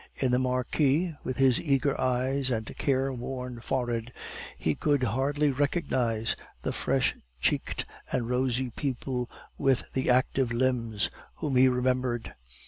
In the Marquis, with his eager eyes and careworn forehead, he could hardly recognize the fresh cheeked and rosy pupil with the active limbs, whom he remembered.